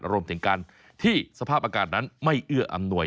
รวมถึงการที่สภาพอากาศนั้นไม่เอื้ออำนวย